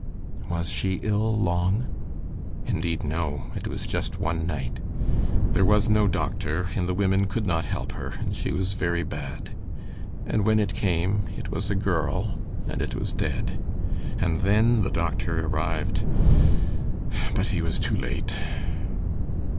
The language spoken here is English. "Was she ill long?" "Indeed, no. It was just one night. There was no doctor, and the women could not help her, and she was very bad and when it came it was a girl and it was dead and then the doctor arrived, but he was too late."